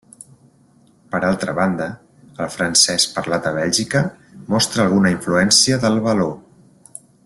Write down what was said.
Per altra banda, el francès parlat a Bèlgica mostra alguna influència del való.